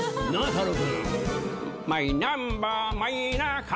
太郎君。